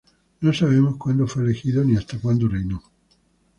No sabemos cuando fue elegido ni hasta cuando reinó.